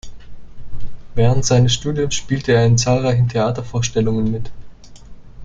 Während seines Studiums spielte er in zahlreichen Theatervorstellungen mit.